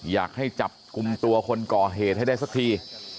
อยากให้จับกลุ่มตัวคนก่อเหตุให้ได้สักที